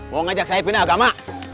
mau ngajak saya pindah agama